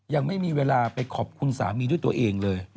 ยังไม่มีเวลาไปขอบคุณสามีด้วยตัวเองเลย